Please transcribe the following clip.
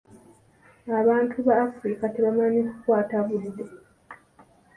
Abantu ba Afirika tebamanyi kukwata budde.